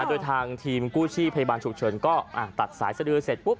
โดยทางทีมกู้ชีพพยาบาลฉุกเฉินก็ตัดสายสดือเสร็จปุ๊บ